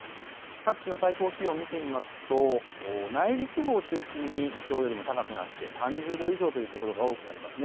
各地の最高気温を見てみますと内陸部を中心にきょうよりも高くなって３０度以上という所が多くなります。